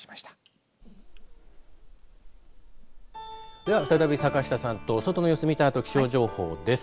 では、再び坂下さんと外の様子を見たあと、気象情報です。